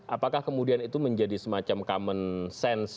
apakah kemudian itu menjadi semacam common sense